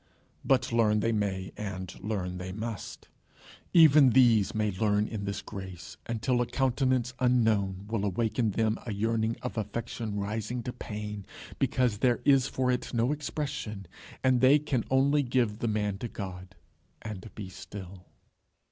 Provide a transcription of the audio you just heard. But learn they may, and learn they must. Even these may grow in this grace until a countenance unknown will awake in them a yearning of affection rising to pain, because there is for it no expression, and they can only give the man to God and be still.